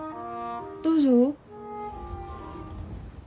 どうぞ。